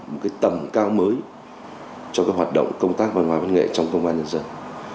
một tầm cao mới cho hoạt động công tác văn hóa văn nghệ trong công an nhân dân